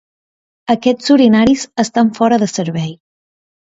Aquests urinaris estan fora de servei.